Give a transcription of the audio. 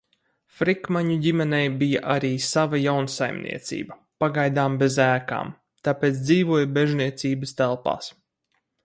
Frikmaņu ģimenei bija arī sava jaunsaimniecība, pagaidām bez ēkām, tāpēc dzīvoja mežniecības telpās.